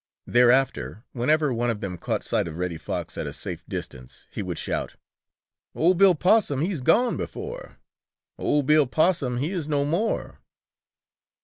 Thereafter whenever one of them caught sight of Reddy Fox at a safe distance, he would shout: "Ol' Bill Possum, he's gone before! Ol' Bill Possum, he is no more!"